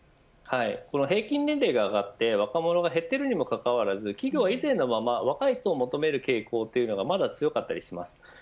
平均年齢が上がって若者が減っているにもかかわらず企業は以前のまま若い方を求める傾向が強かったりします。